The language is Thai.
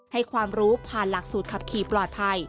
ให้ความรู้ผ่านหลักสูตรขับขี่ปลอดภัย